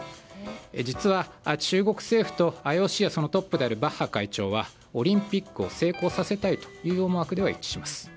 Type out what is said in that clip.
実は、中国政府とＩＯＣのトップであるバッハ会長はオリンピックを成功させたいという思惑で一致します。